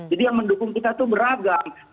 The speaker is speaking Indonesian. jadi yang mendukung kita itu beragam